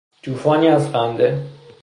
توفانی از خنده